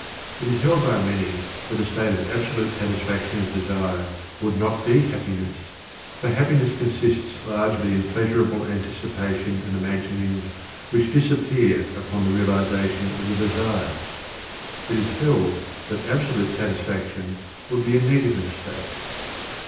It is held by many that a state of the absolute satisfaction of desire would not be happiness, for happiness consists largely in pleasurable anticipation and imaginings which disappear upon the realization of the desire. It is held that absolute satisfaction would be a negative state.